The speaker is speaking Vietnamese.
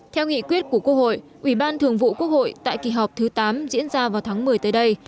theo nghị quyết của quốc hội ủy ban thường vụ quốc hội tại kỳ họp thứ tám diễn ra vào tháng một mươi tới đây